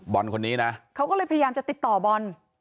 คนนี้นะเขาก็เลยพยายามจะติดต่อบอล